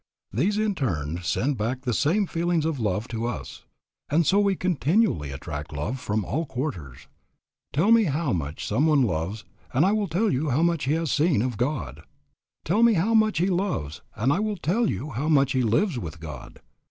These in turn send back the same feelings of love to us, and so we continually attract love from all quarters. Tell me how much one loves and I will tell you how much he has seen of God. Tell me how much he loves and I will tell you how much he lives with God.